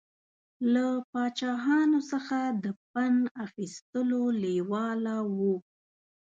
له پاچاهانو څخه د پند اخیستلو لېواله و.